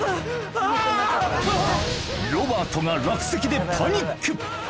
ロバートが落石でパニック！